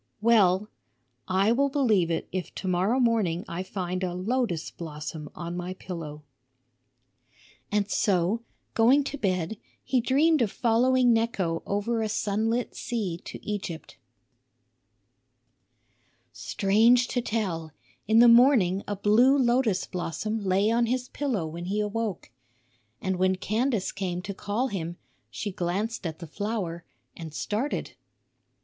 Well, I will believe it if to morrow morning I find a lotus blossom on my pillow." And so, going to bed, he dreamed of following Necho over a sunlit sea to Egypt. Strange to tell, in the morning a blue lotus blossom lay on his pillow when he awoke. And when Candace came to call him, she glanced at the flower and started.